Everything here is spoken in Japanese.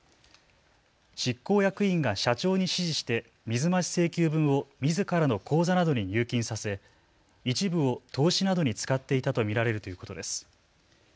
執行役員が社長に指示して水増し請求分をみずからの口座などに入金させ一部を投資などに使っていたと見られるということです。